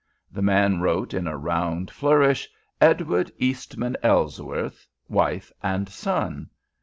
The man wrote, in a round flourish, "Edward Eastman Ellsworth, wife, and son."